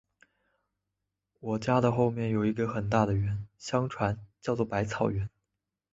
我家的后面有一个很大的园，相传叫作百草园